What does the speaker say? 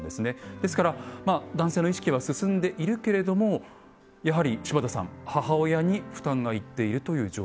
ですからまあ男性の意識は進んでいるけれどもやはり柴田さん母親に負担が行っているという状況なんでしょうか。